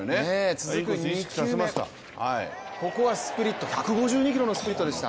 続く２球目、ここはスプリット、１５２キロのスプリットでした。